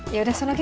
yaudah senang lagi